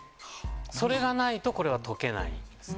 それがないとこれは解けないですね。